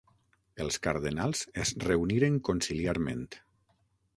Els cardenals es reuniren conciliarment.